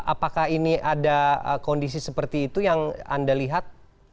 apakah ini ada kondisi seperti itu yang anda lihat